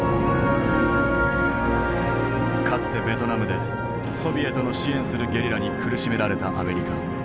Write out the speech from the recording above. かつてベトナムでソビエトの支援するゲリラに苦しめられたアメリカ。